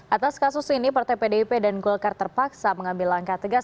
atas kasus ini partai pdip dan golkar terpaksa mengambil langkah tegas